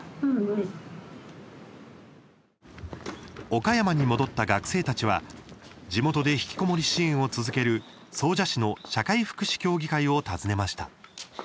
岡山に戻った学生たちは地元でひきこもり支援を続ける総社市の社会福祉協議会を訪ねました。